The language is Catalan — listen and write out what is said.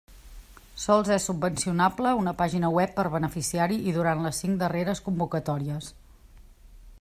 Sols és subvencionable una pàgina web per beneficiari i durant les cinc darreres convocatòries.